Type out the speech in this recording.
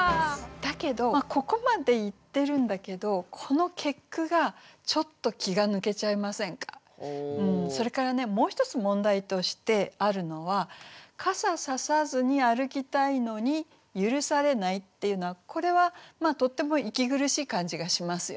だけどここまで言ってるんだけどそれからねもう一つ問題としてあるのは「傘ささずに歩きたいのにゆるされない」っていうのはこれはとっても息苦しい感じがしますよね。